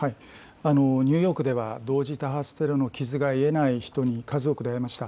ニューヨークでは同時多発テロの傷が癒えない人に数多く出会いました。